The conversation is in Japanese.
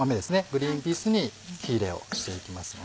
グリンピースに火入れをしていきます。